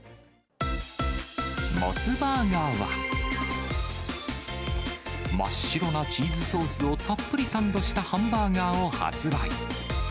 モスバーガーは、真っ白なチーズソースをたっぷりサンドしたハンバーガーを発売。